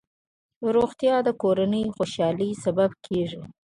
روغتیا د کورنۍ خوشحالۍ سبب کېږي.